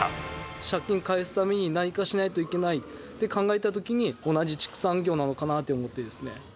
借金を返すために何かしないといけないって考えたときに、同じ畜産業なのかなと思ってです